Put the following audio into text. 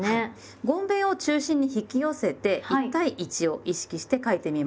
ごんべんを中心に引き寄せて１対１を意識して書いてみましょう。